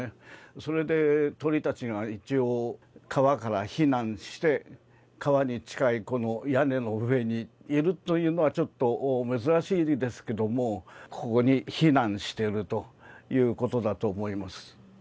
それで鳥たちが一応、川から避難して、川に近いこの屋根の上にいるというのはちょっと珍しいですけども、ここに避難しているということだと思います。